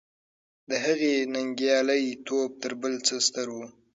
د هغې ننګیالی توب تر بل څه ستر و.